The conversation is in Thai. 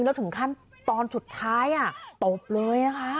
แล้วถึงขั้นตอนสุดท้ายตบเลยนะคะ